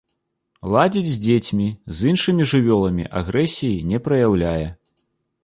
Ладзіць з дзецьмі, з іншымі жывёламі агрэсіі не праяўляе.